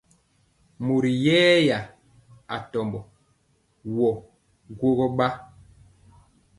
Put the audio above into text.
Mori yɛya tambɔ wɔ gwogɔ ɓa.